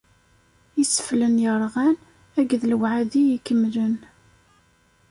Iseflen yerɣan akked lewɛadi ikemlen.